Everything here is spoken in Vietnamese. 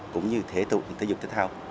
cũng như thể dục thể thao